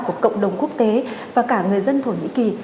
của cộng đồng quốc tế và cả người dân thổ nhĩ kỳ